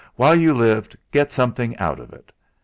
while you lived, get something out of it.